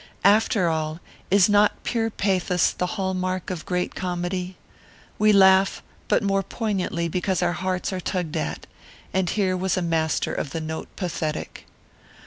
After all, is not pure pathos the hall mark of great comedy? We laugh, but more poignantly because our hearts are tugged at. And here was a master of the note pathetic.